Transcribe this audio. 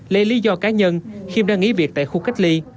lấy lý do cá nhân khiêm đang nghỉ việc tại khu cách ly